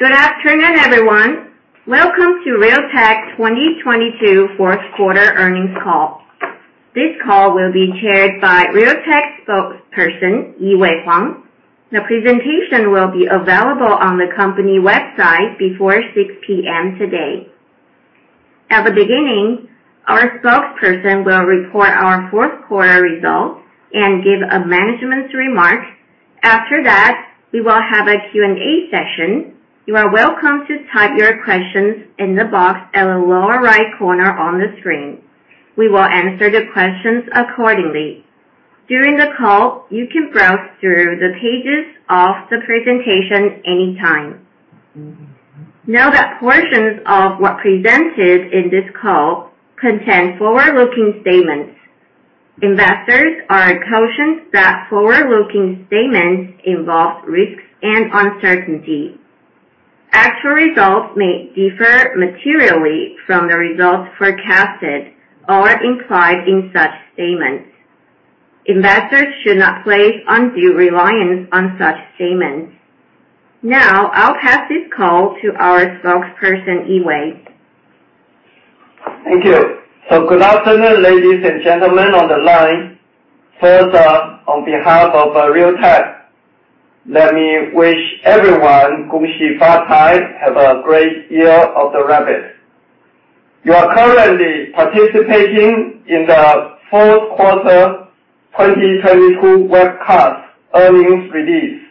Good afternoon, everyone. Welcome to Realtek 2022 fourth quarter earnings call. This call will be chaired by Realtek spokesperson, Yee-Wei Huang. The presentation will be available on the company website before 6:00 P.M. today. At the beginning, our spokesperson will report our fourth quarter results and give a management's remark. After that, we will have a Q&A session. You are welcome to type your questions in the box at the lower right corner on the screen. We will answer the questions accordingly. During the call, you can browse through the pages of the presentation anytime. Note that portions of what presented in this call contain forward-looking statements. Investors are cautioned that forward-looking statements involve risks and uncertainty. Actual results may differ materially from the results forecasted or implied in such statements. Investors should not place undue reliance on such statements. Now, I'll pass this call to our Spokesperson, Yee-Wei. Thank you. Good afternoon, ladies and gentlemen on the line. First, on behalf of Realtek, let me wish everyone have a great Year of the Rabbit. You are currently participating in the fourth quarter 2022 webcast earnings release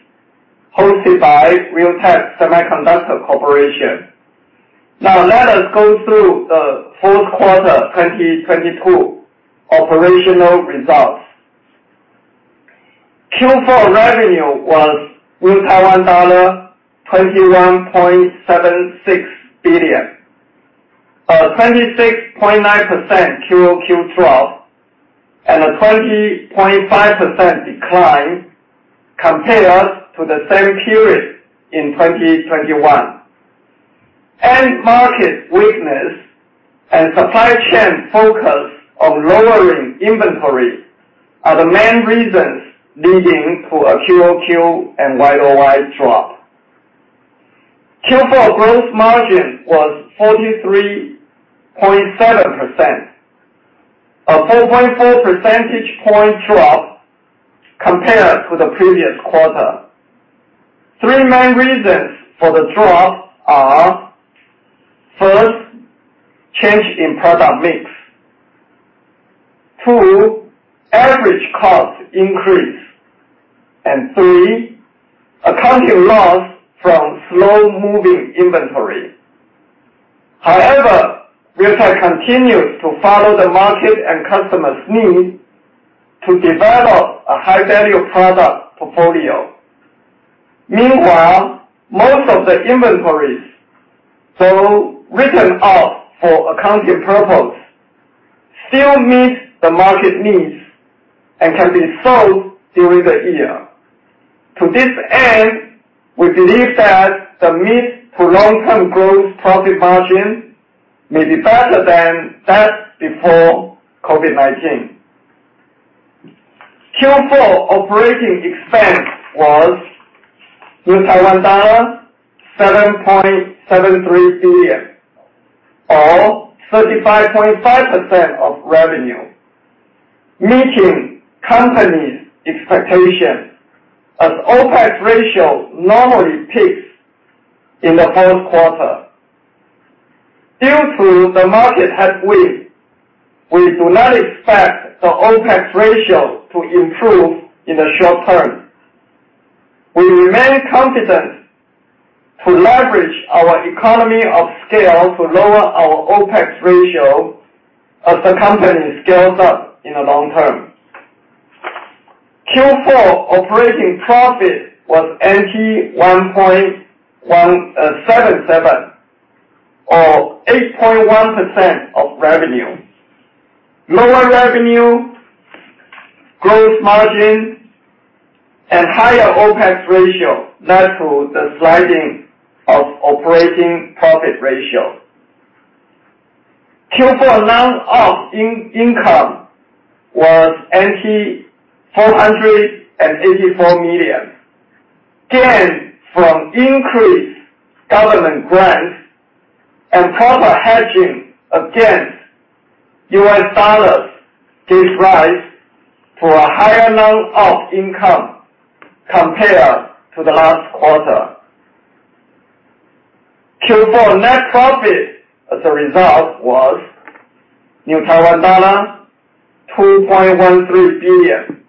hosted by Realtek Semiconductor Corporation. Let us go through the fourth quarter 2022 operational results. Q4 revenue was TWD 21.76 billion. 26.9% QOQ drop and a 20.5% decline compared to the same period in 2021. End market weakness and supply chain focus on lowering inventory are the main reasons leading to a QOQ and YOY drop. Q4 gross margin was 43.7%. A 4.4 percentage point drop compared to the previous quarter. Three main reasons for the drop are, first, change in product mix. Two, average cost increase. Three, accounting loss from slow-moving inventory. However, Realtek continues to follow the market and customers' needs to develop a high-value product portfolio. Meanwhile, most of the inventories, though written off for accounting purpose, still meet the market needs and can be sold during the year. To this end, we believe that the mid- to long-term growth profit margin may be better than that before COVID-19. Q4 operating expense was TWD 7.73 billion, or 35.5% of revenue, meeting company's expectation as OPEX ratio normally peaks in the fourth quarter. Due to the market headwind, we do not expect the OPEX ratio to improve in the short term. We remain confident to leverage our economy of scale to lower our OPEX ratio as the company scales up in the long term. Q4 operating profit was NT$1.177 billion, or 8.1% of revenue. Lower revenue, gross margin, and higher OPEX ratio led to the sliding of operating profit ratio. Q4 non-op income was NT$484 million, gained from increased government grants and proper hedging against US dollars gave rise to a higher non-op income compared to the last quarter. Q4 net profit as a result was NT$2.13 billion,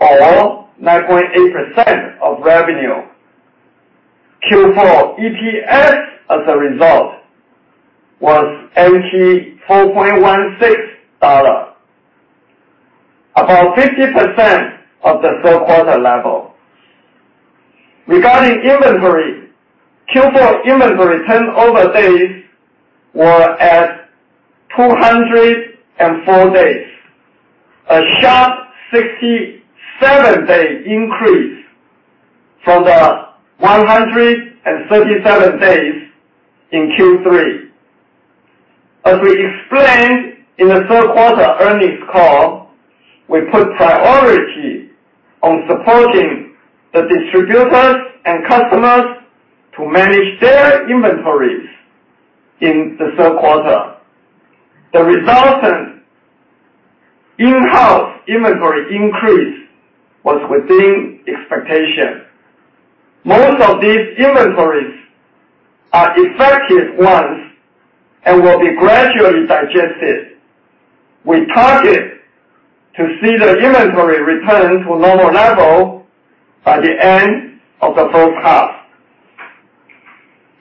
or 9.8% of revenue. Q4 EPS as a result was NT$4.16, about 50% of the third quarter level. Regarding inventory, Q4 inventory turnover days were at 204 days, a sharp 67 day increase from the 137 days in Q3. As we explained in the third quarter earnings call, we put priority on supporting the distributors and customers to manage their inventories in the third quarter. The resultant in-house inventory increase was within expectation. Most of these inventories are effective ones and will be gradually digested. We target to see the inventory return to normal level by the end of the first half.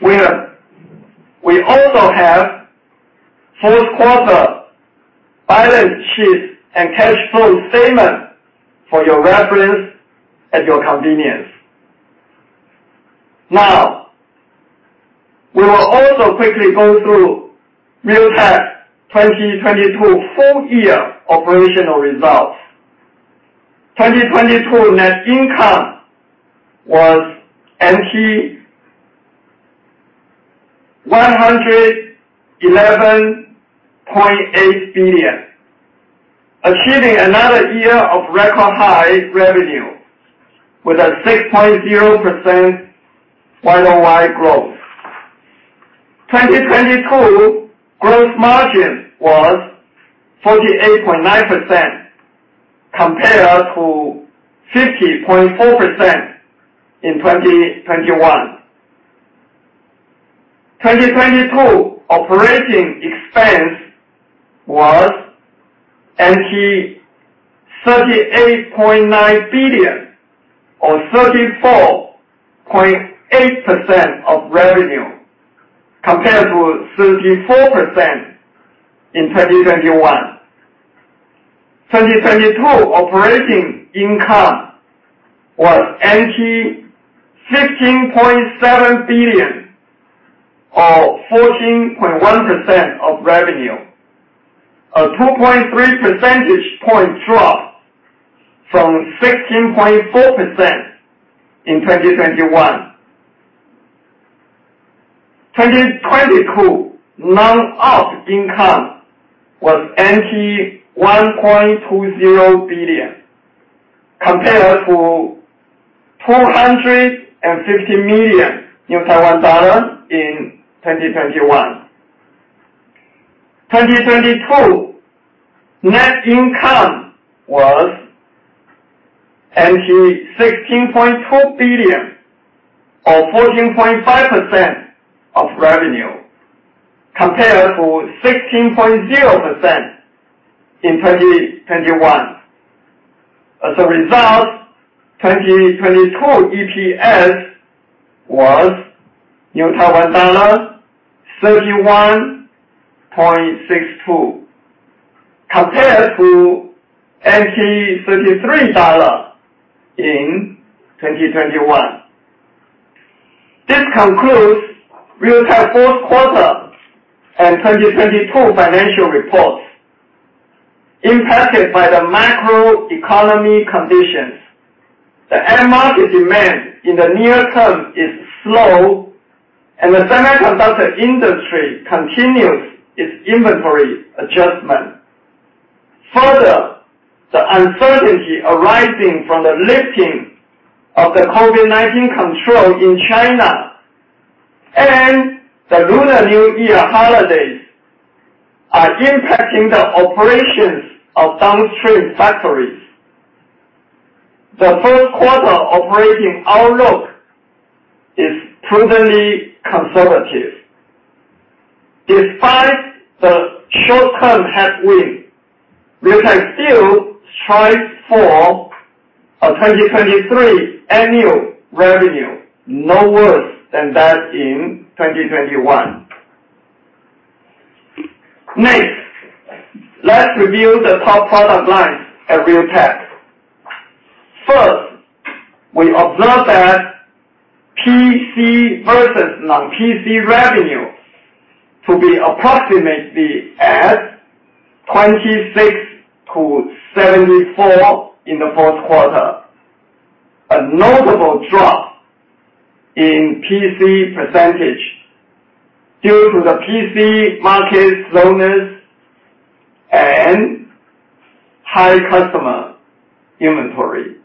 We also have fourth quarter balance sheet and cash flow statement for your reference at your convenience. We will also quickly go through Realtek's 2022 full year operational results. 2022 net income was 111.8 billion, achieving another year of record high revenue with a 6.0% Y-o-Y growth. 2022 gross margin was 48.9% compared to 50.4% in 2021. 2022 operating expense was 38.9 billion or 34.8% of revenue, compared to 34% in 2021. 2022 operating income was TWD 15.7 billion or 14.1% of revenue, a 2.3 percentage point drop from 16.4% in 2021. 2022 non-GAAP income was 1.20 billion, compared to 250 million in 2021. 2022 net income was TWD 16.2 billion or 14.5% of revenue, compared to 16.0% in 2021. As a result, 2022 EPS was Taiwan dollar 31.62, compared to 33 dollar in 2021. This concludes Realtek fourth quarter and 2022 financial reports impacted by the macroeconomy conditions. The end market demand in the near term is slow and the semiconductor industry continues its inventory adjustment. The uncertainty arising from the lifting of the COVID-19 control in China and the Lunar New Year holidays are impacting the operations of downstream factories. The first quarter operating outlook is prudently conservative. Despite the short-term headwind, we can still strive for a 2023 annual revenue, no worse than that in 2021. Let's review the top product lines at Realtek. We observe that PC versus non-PC revenue to be approximately at 26% to 74% in the fourth quarter. A notable drop in PC percentage due to the PC market slowness and high customer inventory.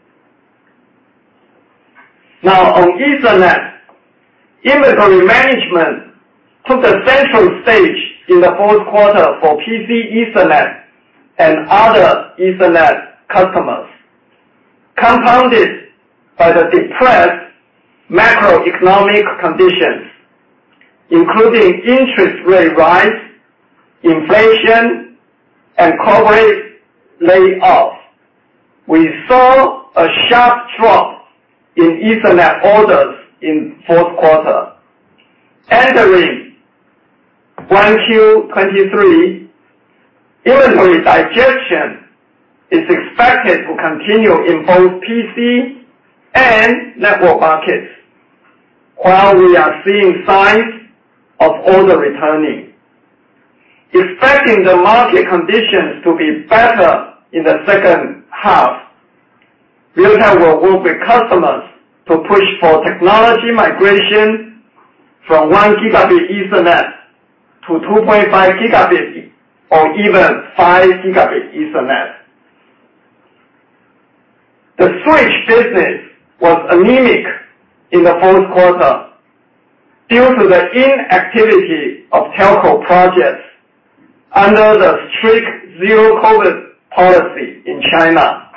On Ethernet, inventory management took the central stage in the fourth quarter for PC Ethernet and other Ethernet customers. Compounded by the depressed macroeconomic conditions, including interest rate rise, inflation, and corporate layoffs. We saw a sharp drop in Ethernet orders in fourth quarter. Entering 1Q 2023, inventory digestion is expected to continue in both PC and network markets, while we are seeing signs of order returning, expecting the market conditions to be better in the second half. Realtek will work with customers to push for technology migration from 1 gigabit Ethernet to 2.5 gigabits or even 5 gigabit Ethernet. The switch business was anemic in the fourth quarter due to the inactivity of telco projects under the strict Zero-COVID policy in China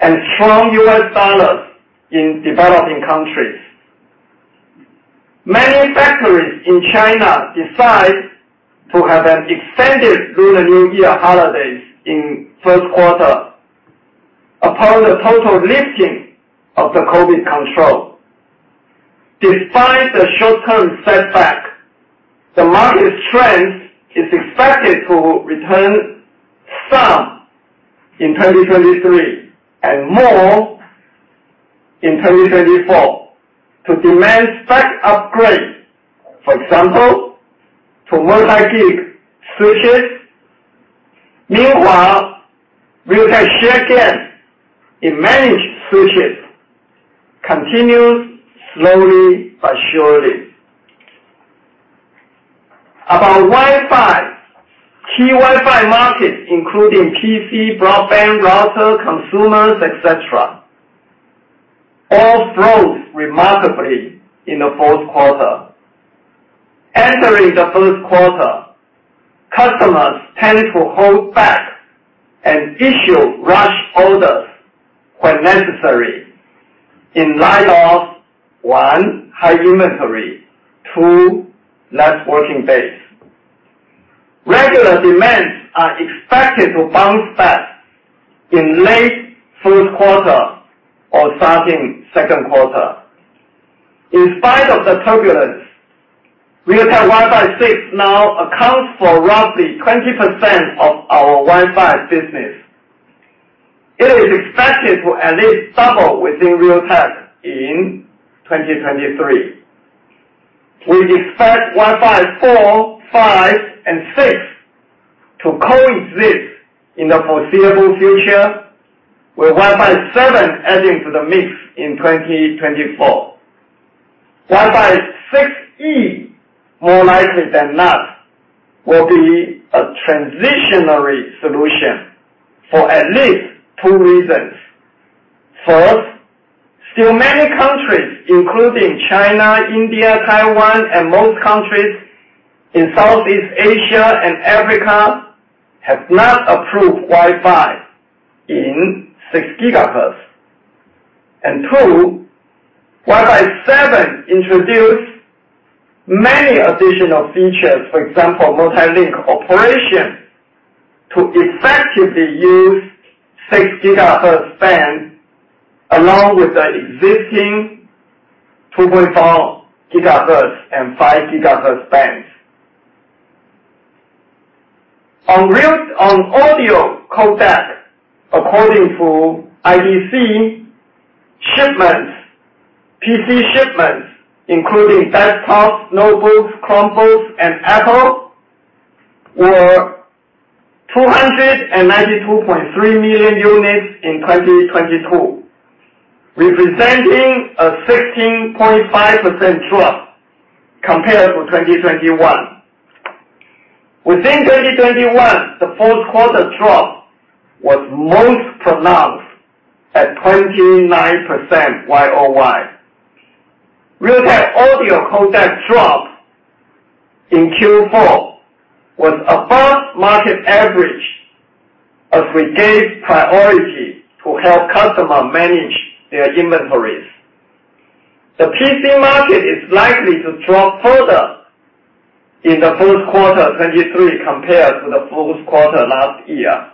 and strong U.S. dollars in developing countries. Many factories in China decide to have an extended Lunar New Year holidays in first quarter upon the total lifting of the COVID control. Despite the short-term setback, the market strength is expected to return some in 2023 and more in 2024 to demand spec upgrade, for example, to Multi-Gig switches. Meanwhile, Realtek share gains in managed switches continues slowly but surely. About Wi-Fi. Key Wi-Fi markets, including PC, broadband, router, consumers, et cetera, all froze remarkably in the fourth quarter. Entering the first quarter, customers tend to hold back and issue rush orders when necessary in light of, one, high inventory, two, less working days. Regular demands are expected to bounce back in late first quarter or starting second quarter. In spite of the turbulence, Realtek Wi-Fi 6 now accounts for roughly 20% of our Wi-Fi business. It is expected to at least double within Realtek in 2023. We expect Wi-Fi 4, 5, and 6 to coexist in the foreseeable future, with Wi-Fi 7 adding to the mix in 2024. Wi-Fi 6E, more likely than not, will be a transitionary solution for at least 2 reasons. First, still many countries, including China, India, Taiwan, and most countries in Southeast Asia and Africa, have not approved Wi-Fi in 6 gigahertz. Two, Wi-Fi 7 introduced many additional features, for example, Multi-Link Operation, to effectively use 6 gigahertz band along with the existing 2.4 gigahertz and 5 gigahertz bands. On audio codec, according to IDC shipments, PC shipments, including desktops, notebooks, chromebooks, and Apple, were 292.3 million units in 2022, representing a 16.5% drop compared to 2021. Within 2021, the fourth quarter drop was most pronounced at 29% Y-o-Y. Realtek audio codec drop in Q4 was above market average as we gave priority to help customer manage their inventories. The PC market is likely to drop further in the first quarter 2023 compared to the fourth quarter last year.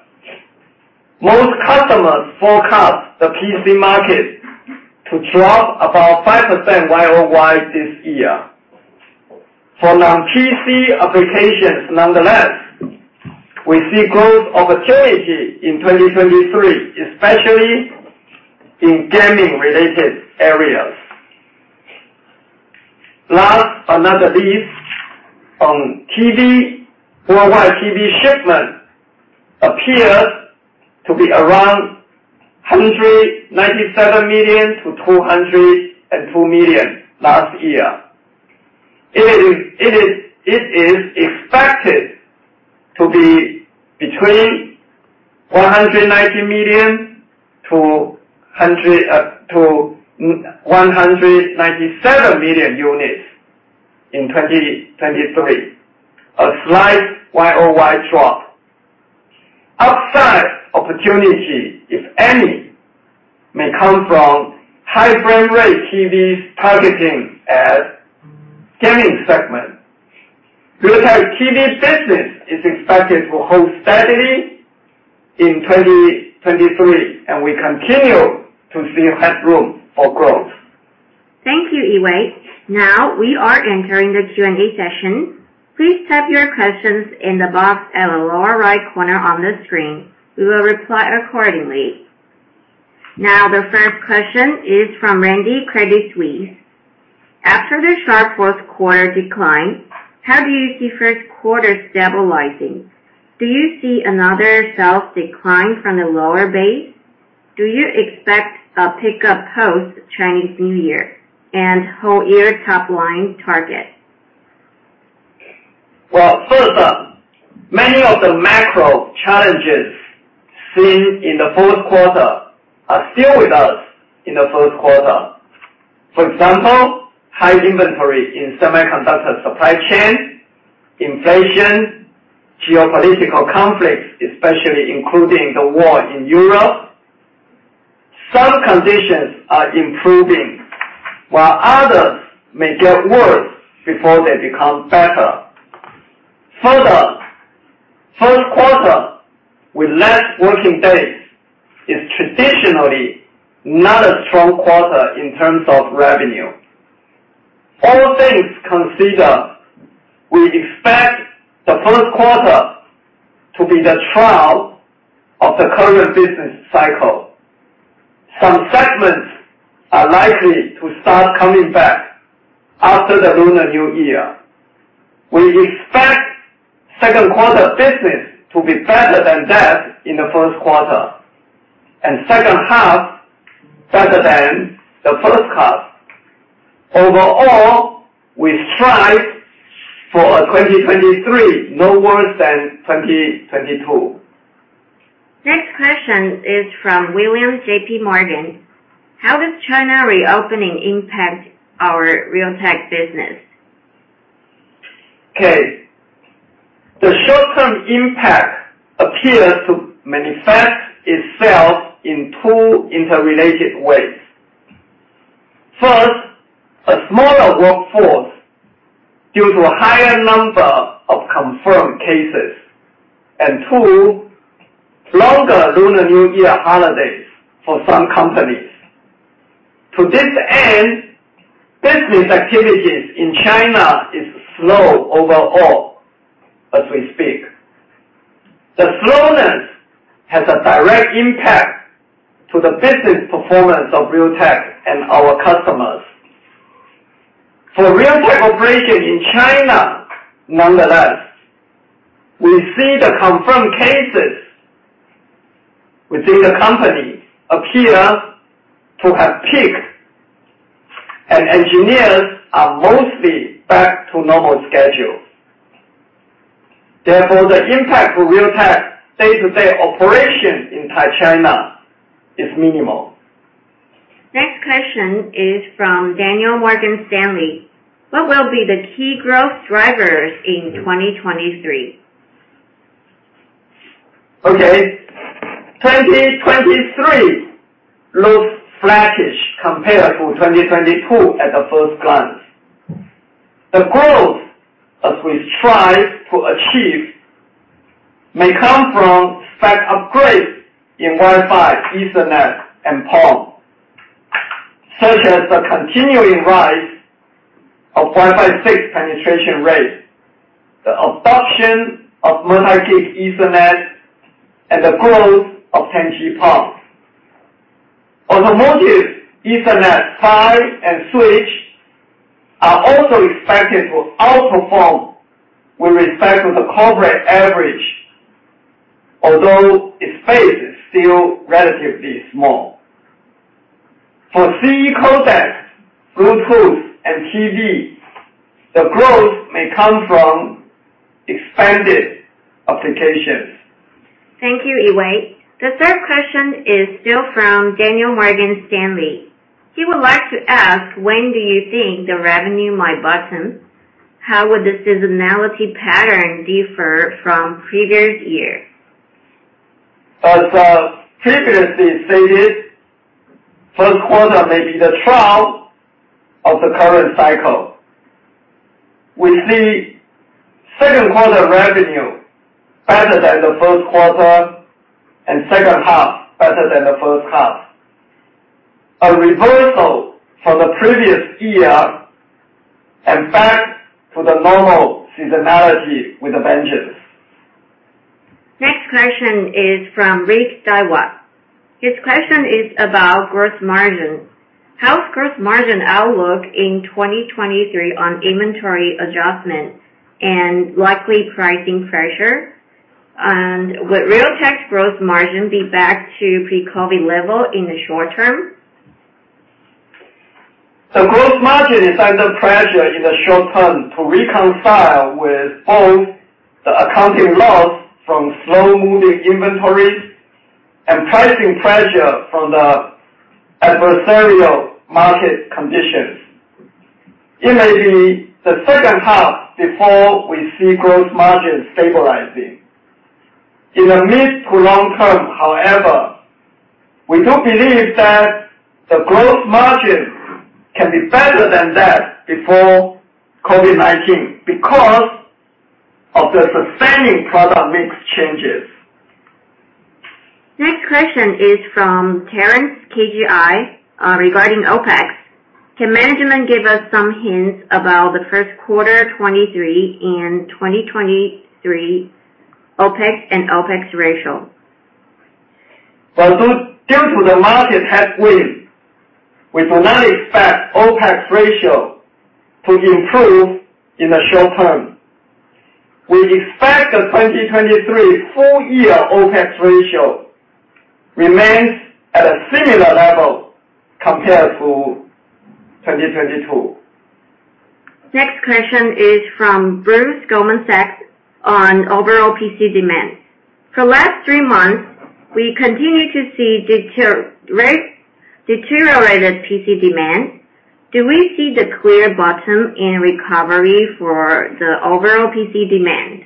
Most customers forecast the PC market to drop about 5% YoY this year. For non-PC applications nonetheless, we see growth opportunity in 2023, especially in gaming related areas. Last but not the least, on TV. Worldwide TV shipment appears to be around 197 million-202 million last year. It is expected to be between 190 million-197 million units in 2023. A slight YoY drop. Upside opportunity, if any, may come from high frame rate TVs targeting at gaming segment. Realtek TV business is expected to hold steadily in 2023, and we continue to see headroom for growth. Thank you, Yee-Wei. We are entering the Q&A session. Please type your questions in the box at the lower right corner on the screen. We will reply accordingly. The first question is from Randy, Credit Suisse. After the sharp fourth quarter decline, how do you see first quarter stabilizing? Do you see another sharp decline from the lower base? Do you expect a pickup post Chinese New Year and whole year top line target? Well, first, many of the macro challenges seen in the fourth quarter are still with us in the first quarter. For example, high inventory in semiconductor supply chain, inflation, geopolitical conflicts, especially including the war in Europe. Some conditions are improving, while others may get worse before they become better. Further, first quarter with less working days is traditionally not a strong quarter in terms of revenue. All things considered, we expect the first quarter to be the trial of the current business cycle. Some segments are likely to start coming back after the Lunar New Year. We expect second quarter business to be better than that in the first quarter, and second half better than the first half. Overall, we strive for a 2023 no worse than 2022. Next question is from William, JP Morgan. How does China reopening impact our Realtek business? Okay. The short-term impact appears to manifest itself in two interrelated ways. First, a smaller workforce due to a higher number of confirmed cases. Two, longer Lunar New Year holidays for some companies. To this end, business activities in China is slow overall as we speak. The slowness has a direct impact to the business performance of Realtek and our customers. For Realtek operations in China, nonetheless, we see the confirmed cases within the company appear to have peaked, and engineers are mostly back to normal schedule. The impact for Realtek day-to-day operation in Taiwan is minimal. Next question is from Daniel, Morgan Stanley. What will be the key growth drivers in 2023? Okay, 2023 looks flattish compared to 2022 at a first glance. The growth as we strive to achieve may come from spec upgrades in Wi-Fi, Ethernet, and PON, such as the continuing rise of Wi-Fi 6 penetration rate, the adoption of Multi-Gig Ethernet and the growth of 10G-PON. Automotive Ethernet PHY and switch are also expected to outperform with respect to the corporate average, although its space is still relatively small. For CE codec, Bluetooth, and TV, the growth may come from expanded applications. Thank you, Yee-Wei. The third question is still from Daniel, Morgan Stanley. He would like to ask, when do you think the revenue might bottom? How would the seasonality pattern differ from previous years? As, previously stated, first quarter may be the trial of the current cycle. We see second quarter revenue better than the first quarter and second half better than the first half. A reversal from the previous year and back to the normal seasonality with a vengeance. Next question is from Rick, Daiwa. His question is about gross margin. How is gross margin outlook in 2023 on inventory adjustment and likely pricing pressure? Would Realtek's gross margin be back to pre-COVID level in the short term? The gross margin is under pressure in the short term to reconcile with both the accounting loss from slow-moving inventories and pricing pressure from the adversarial market conditions. It may be the second half before we see gross margin stabilizing. In the mid to long term, however, we do believe that the gross margin can be better than that before COVID-19 because of the sustaining product mix changes. Next question is from Terence, KGI, regarding OPEX. Can management give us some hints about the first quarter 23 and 2023 OPEX and OPEX ratio? Due to the market headwind, we do not expect OPEX ratio to improve in the short term. We expect the 2023 full year OPEX ratio remains at a similar level compared to 2022. Next question is from Bruce, Goldman Sachs on overall PC demand. For last three months, we continue to see deteriorated PC demand. Do we see the clear bottom in recovery for the overall PC demand?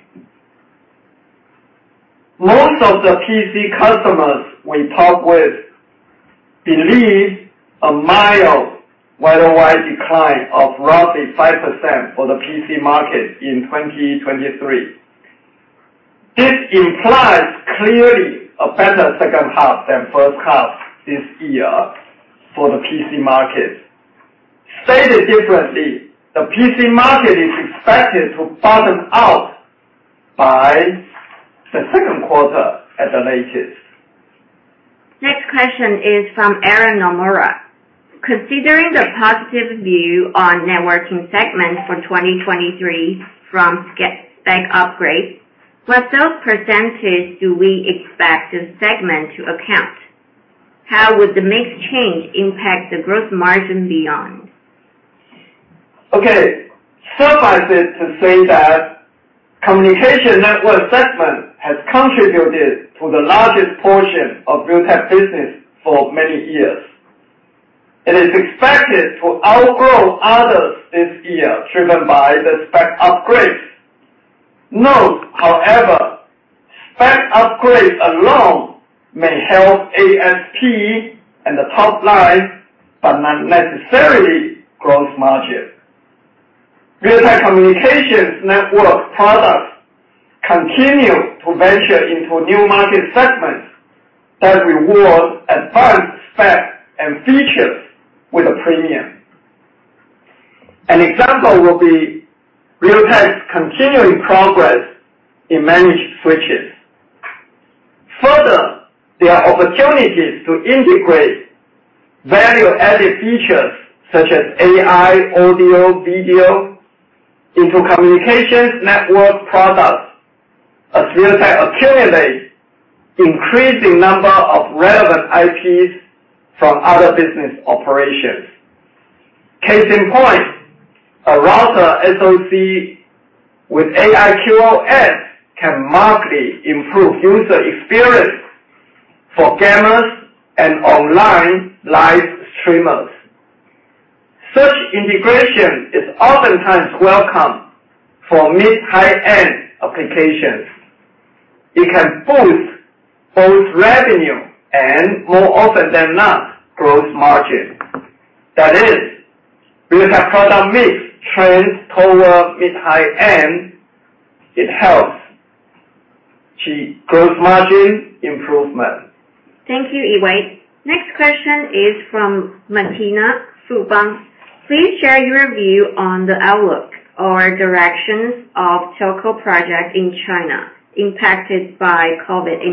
Most of the PC customers we talk with believe a mild YOY decline of roughly 5% for the PC market in 2023. This implies clearly a better second half than first half this year for the PC market. Stated differently, the PC market is expected to bottom out by the second quarter at the latest. Next question is from Aaron Nomura. Considering the positive view on networking segment for 2023 from spec upgrades, what sales % do we expect this segment to account? How would the mix change impact the growth margin beyond? Suffice it to say that communication network segment has contributed to the largest portion of Realtek business for many years. It is expected to outgrow others this year, driven by the spec upgrades. Note, however, spec upgrades alone may help ASP and the top line, but not necessarily gross margin. Realtek Communications network products continue to venture into new market segments that reward advanced specs and features with a premium. An example will be Realtek's continuing progress in managed switches. There are opportunities to integrate value-added features such as AI, audio, video into communications network products as Realtek accumulates increasing number of relevant IPs from other business operations. Case in point, a router SoC with AI QOS can markedly improve user experience for gamers and online live streamers. Such integration is oftentimes welcome for mid, high-end applications. It can boost both revenue and more often than not, gross margin. That is, Realtek product mix trends toward mid, high-end. It helps achieve gross margin improvement. Thank you, Yee-Wei. Next question is from Martina, Subang. Please share your view on the outlook or directions of telco project in China impacted by COVID in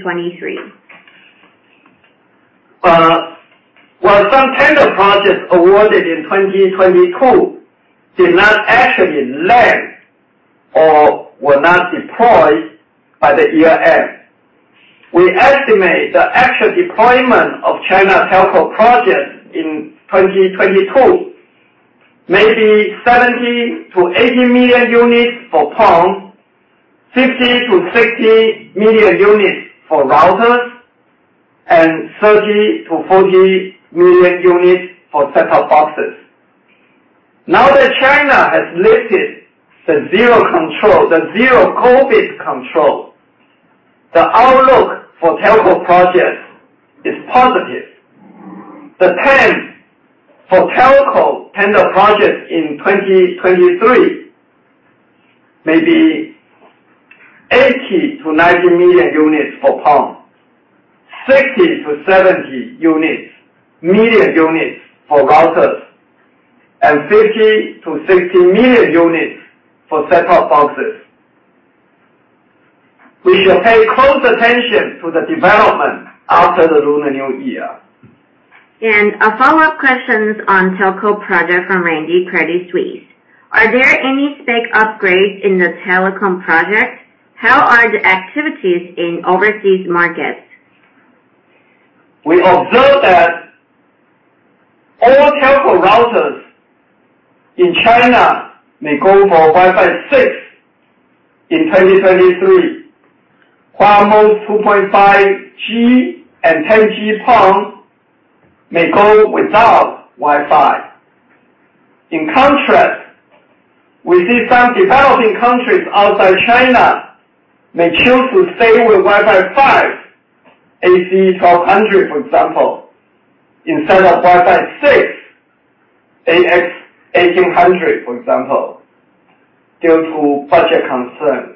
2023. Well, some tender projects awarded in 2022 did not actually land or were not deployed by the year end. We estimate the actual deployment of China's telco projects in 2022 may be 70 million-80 million units for PON, 50 million-60 million units for routers, and 30 million-40 million units for set-top boxes. China has lifted the zero-COVID control, the outlook for telco projects is positive. The plan for telco tender projects in 2023 may be 80 million-90 million units for PON, 60 million-70 million units for routers, and 50 million-60 million units for set-top boxes. We shall pay close attention to the development after the Lunar New Year. A follow-up questions on telco project from Randy, Credit Suisse. Are there any spec upgrades in the telecom project? How are the activities in overseas markets? We observe that all telco routers in China may go for Wi-Fi 6 in 2023. Huawei's 2.5G and 10G PON may go without Wi-Fi. In contrast, we see some developing countries outside China may choose to stay with Wi-Fi 5, AC1200 for example, instead of Wi-Fi 6, AX1800 for example, due to budget concern.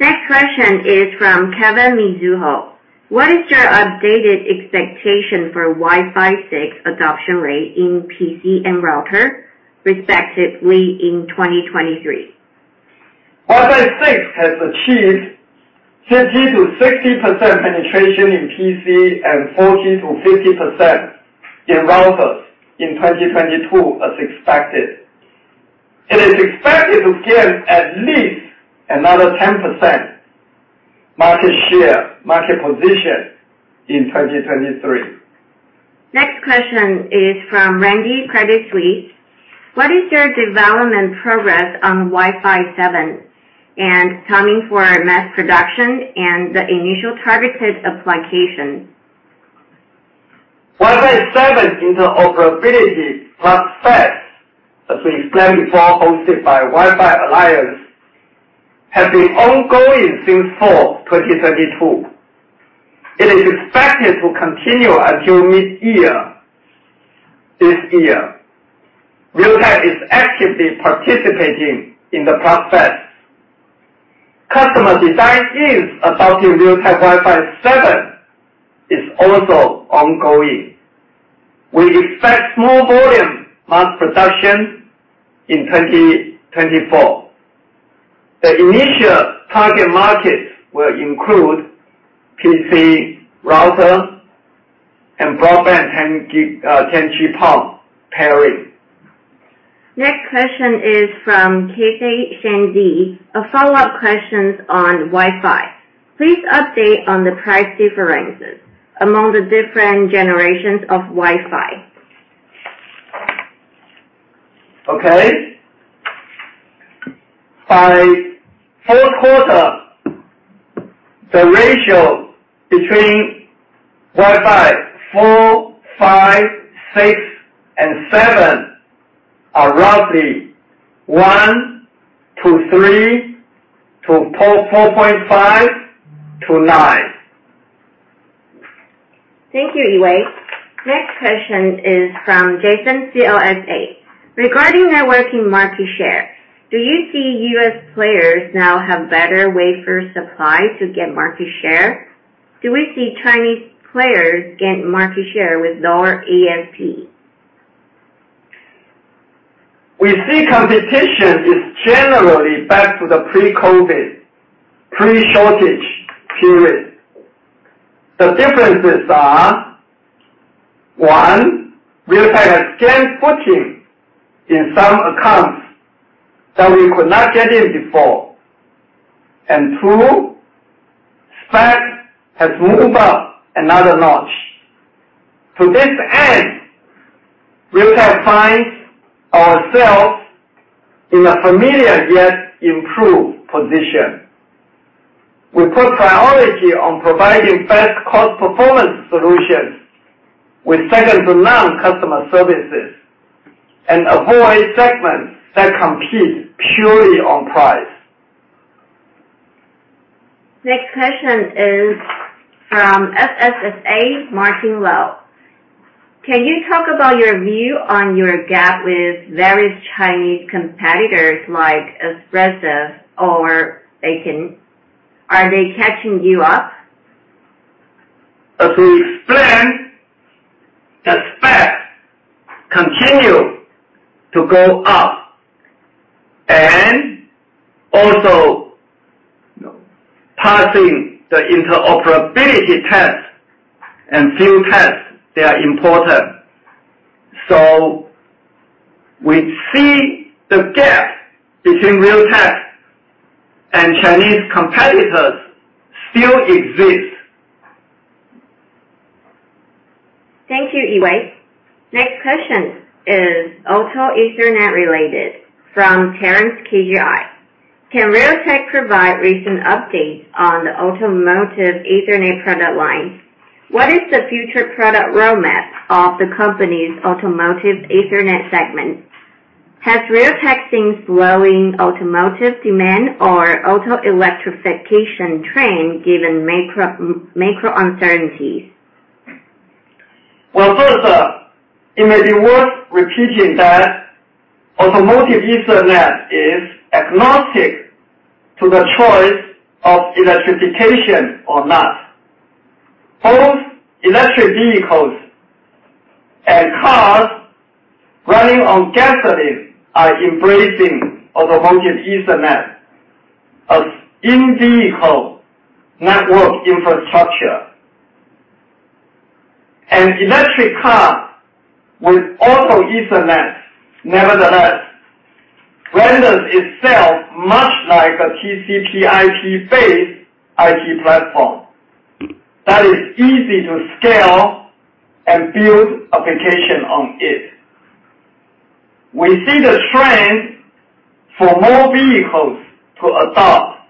Next question is from Kevin, Mizuho. What is your updated expectation for Wi-Fi 6 adoption rate in PC and router, respectively in 2023? Wi-Fi 6 has achieved 50%-60% penetration in PC and 40%-50% in routers in 2022, as expected. It is expected to gain at least another 10% market share, market position in 2023. Next question is from Randy, Credit Suisse. What is your development progress on Wi-Fi 7? Timing for mass production and the initial targeted application? Wi-Fi 7 interoperability process, as we explained before, hosted by Wi-Fi Alliance, has been ongoing since fall 2022. It is expected to continue until mid-year this year. Realtek is actively participating in the process. Customer design is adopting Realtek Wi-Fi 7. It's also ongoing. We expect small volume mass production in 2024. The initial target markets will include PC, router, and broadband 10 gig, 10 GPON pairing. Next question is from Casey, Shandi. A follow-up question on Wi-Fi. Please update on the price differences among the different generations of Wi-Fi. Okay. By fourth quarter, the ratio between Wi-Fi 4, 5, 6, and 7 are roughly 1 to 3 to 4.5 to 9. Thank you, Yee-Wei. Next question is from Jason, CLSA. Regarding networking market share, do you see U.S. players now have better wafer supply to get market share? Do we see Chinese players gain market share with lower EMP? We see competition is generally back to the pre-COVID, pre-shortage period. The differences are, one, Realtek has gained footing in some accounts that we could not get in before. Two, specs has moved up another notch. To this end, Realtek finds ourselves in a familiar yet improved position. We put priority on providing best cost performance solutions with second-to-none customer services and avoid segments that compete purely on price. Next question is from FSSA, Martin Lo. Can you talk about your view on your gap with various Chinese competitors like Espressif Systems or Airoha Technology? Are they catching you up? As we explained, the specs continue to go up. Also, passing the interoperability test and field tests, they are important. We see the gap between Realtek and Chinese competitors still exists. Thank you, Yee-Wei. Next question is auto Ethernet related from Terence, KGI. Can Realtek provide recent updates on the automotive Ethernet product line? What is the future product roadmap of the company's automotive Ethernet segment? Has Realtek seen slowing automotive demand or auto electrification trend given macro uncertainties? Well, first, it may be worth repeating that automotive Ethernet is agnostic to the choice of electrification or not. Both electric vehicles and cars running on gasoline are embracing automotive Ethernet as in-vehicle network infrastructure. An electric car with auto Ethernet, nevertheless, renders itself much like a TCP/IP-based IT platform that is easy to scale and build application on it. We see the trend for more vehicles to adopt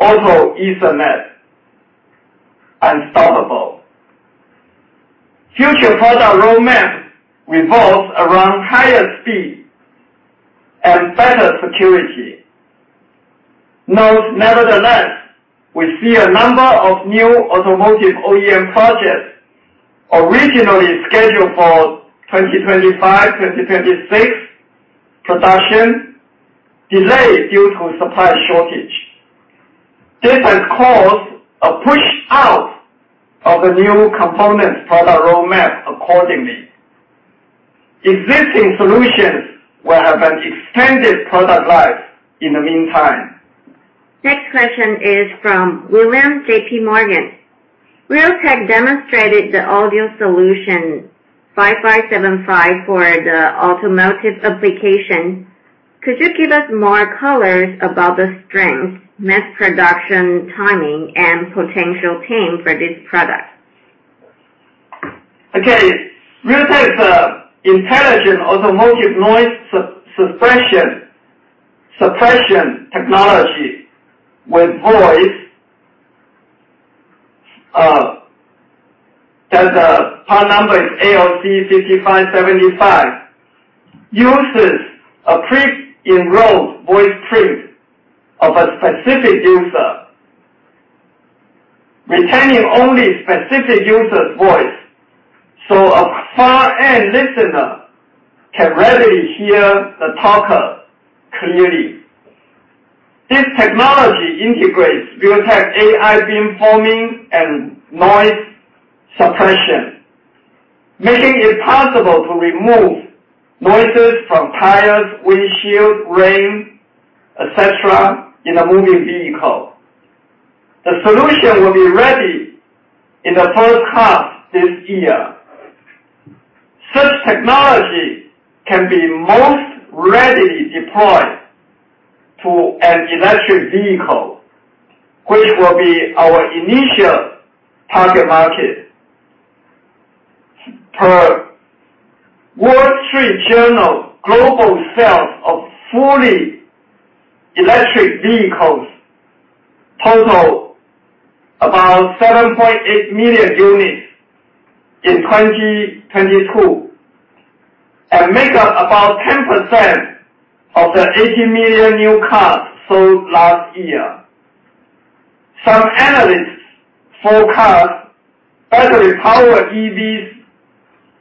auto Ethernet unstoppable. Future product roadmap revolves around higher speed and better security. Nevertheless, we see a number of new automotive OEM projects originally scheduled for 2025, 2026 production delayed due to supply shortage. This has caused a push to of the new components product roadmap accordingly. Existing solutions will have an extended product life in the meantime. Next question is from William, JP Morgan. Realtek demonstrated the audio solution ALC5575 for the automotive application. Could you give us more colors about the strength, mass production, timing, and potential team for this product? Okay. Realtek's intelligent automotive noise suppression technology with voice, that the part number is ALC5575, uses a pre-enrolled voice print of a specific user, retaining only specific user's voice, so a far-end listener can readily hear the talker clearly. This technology integrates Realtek AI beamforming and noise suppression, making it possible to remove noises from tires, windshield, rain, et cetera, in a moving vehicle. The solution will be ready in the first half this year. Such technology can be most readily deployed to an electric vehicle, which will be our initial target market. Per The Wall Street Journal, global sales of fully electric vehicles total about 7.8 million units in 2022, and make up about 10% of the 80 million new cars sold last year. Some analysts forecast battery-powered EVs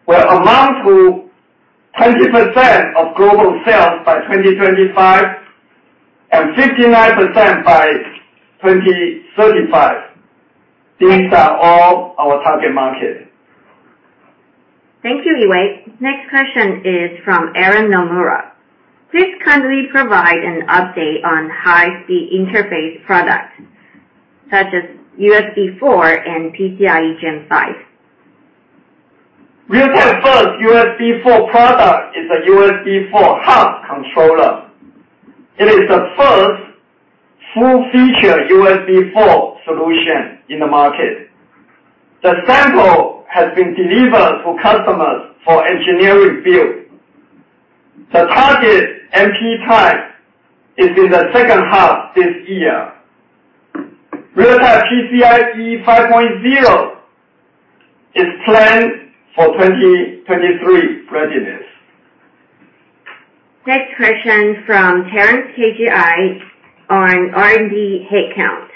will amount to 20% of global sales by 2025, and 59% by 2035. These are all our target market. Thank you, Yee-Wei. Next question is from Aaron, Nomura. Please kindly provide an update on high-speed interface products, such as USB4 and PCIe Gen5. Realtek first USB4 product is a USB4 hub controller. It is the first full-featured USB4 solution in the market. The sample has been delivered to customers for engineering build. The target MP time is in the second half this year. Realtek PCIe 5.0 is planned for 2023 readiness. Next question from Terence, KGI, on R&D headcount.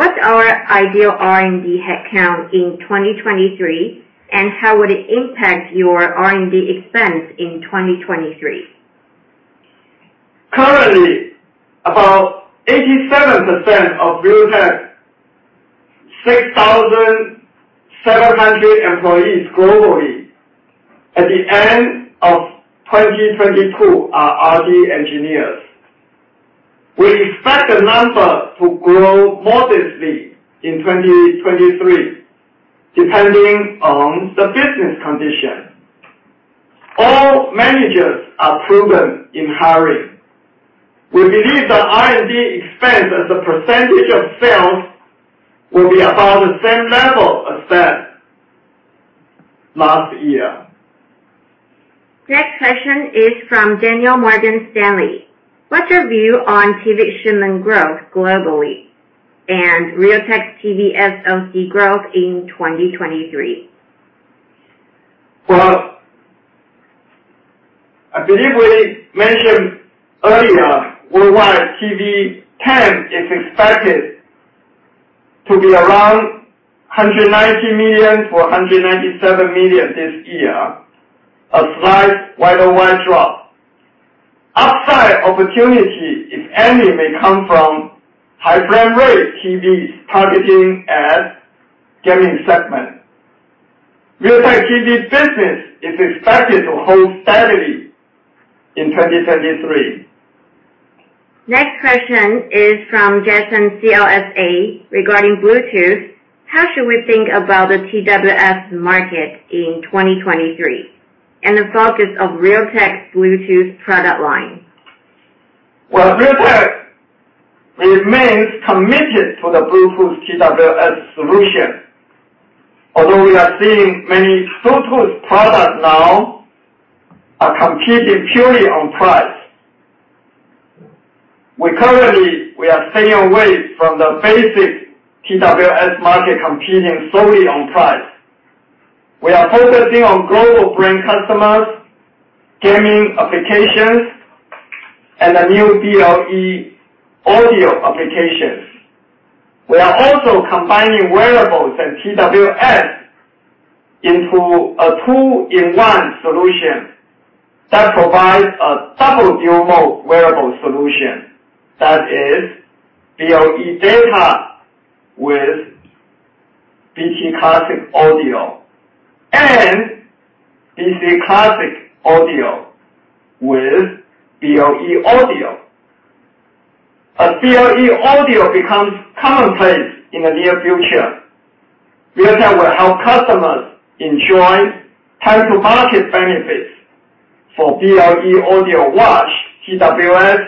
What's our ideal R&D headcount in 2023, and how would it impact your R&D expense in 2023? Currently, about 87% of Realtek 6,700 employees globally at the end of 2022 are R&D engineers. We expect the number to grow modestly in 2023, depending on the business condition. All managers are prudent in hiring. We believe the R&D expense as a percentage of sales will be about the same level as that last year. Next question is from Daniel, Morgan Stanley. What's your view on TV shipment growth globally, and Realtek's TV SoC growth in 2023? I believe we mentioned earlier, worldwide TV panels is expected to be around 190 million to 197 million this year. A slight Y-o-Y drop. Upside opportunity, if any, may come from high frame rate TVs targeting at gaming segment. Realtek TV business is expected to hold steadily in 2023. Next question is from Jason, CLSA, regarding Bluetooth. How should we think about the TWS market in 2023, and the focus of Realtek's Bluetooth product line? Realtek remains committed to the Bluetooth TWS solution. Although we are seeing many Bluetooth products now are competing purely on price. We currently are staying away from the basic TWS market competing solely on price. We are focusing on global brand customers, gaming applications, and the new BLE audio applications. We are also combining wearables and TWS into a 2-in-1 solution that provides a double dual-mode wearable solution. That is BLE data with Bluetooth Classic audio, and Bluetooth Classic audio with BLE audio. As BLE audio becomes commonplace in the near future, Realtek will help customers enjoy time to market benefits for BLE audio watch, TWS,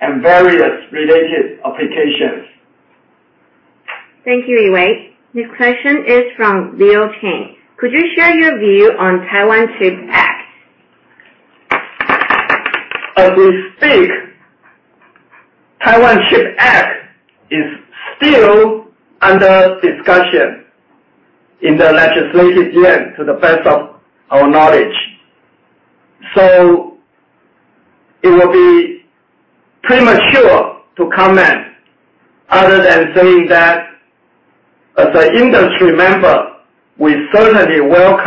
and various related applications. Thank you, Yee-Wei. Next question is from Leo Chang. Could you share your view on Taiwan Chip Act? As we speak, Taiwan Chip Act is still under discussion in the Legislative Yuan to the best of our knowledge. It will be premature to comment other than saying that as an industry member, we certainly welcome-